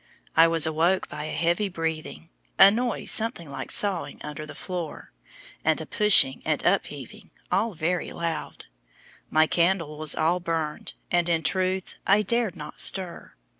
I was awoke by a heavy breathing, a noise something like sawing under the floor, and a pushing and upheaving, all very loud. My candle was all burned, and, in truth, I dared not stir.